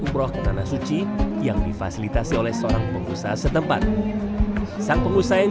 umroh ke tanah suci yang difasilitasi oleh seorang pengusaha setempat sang pengusaha yang